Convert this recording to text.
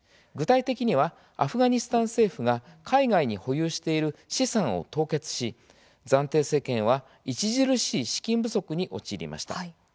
具体的にはアフガニスタン政府が海外に保有している資産を凍結し暫定政権は著しい資金不足に陥りました。